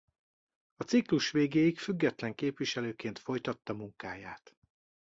A ciklus végéig független képviselőként folytatta munkáját.